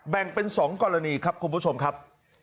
แบ่งเป็น๒กรณีครับคุณผู้ชมครับ